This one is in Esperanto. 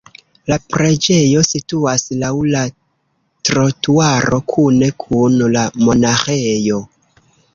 La preĝejo situas laŭ la trotuaro kune kun la monaĥejo.